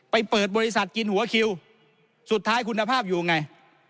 เปิดบริษัทกินหัวคิวสุดท้ายคุณภาพอยู่ยังไง